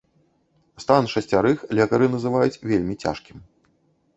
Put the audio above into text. Стан шасцярых лекары называюць вельмі цяжкім.